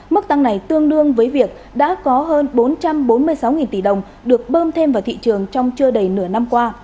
mức tăng này tương đương với việc đã có hơn bốn trăm bốn mươi sáu tỷ đồng được bơm thêm vào thị trường trong chưa đầy nửa năm qua